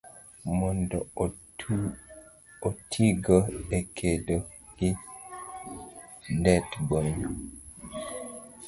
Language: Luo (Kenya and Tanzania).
mondo otigo e kedo gi det - bonyo.